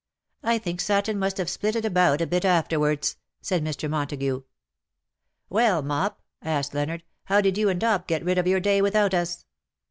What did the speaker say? *^ I think Satan must have split it about a bit afterwards," said Mr. Montagu. " AVellj Mop/^ asked Leonard,, '' how did you and Dop get rid of your day without us